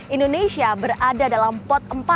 indonesia berada dalam pot empat